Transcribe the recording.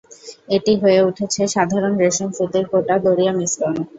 এটি হয়ে উঠেছে সাধারণ রেশম-সুতির কোটা দরিয়া মিশ্রণ।